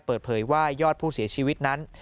เปิดเผยว่ายอดผู้เสียชีวิตนั้น